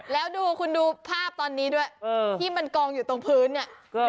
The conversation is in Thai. แล้วดูคุณดูภาพตอนนี้ด้วยที่มันกองอยู่ตรงพื้นเนี่ย